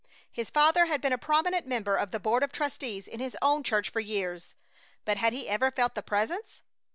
His father had been a prominent member of the board of trustees in his own church for years, but had he ever felt the Presence?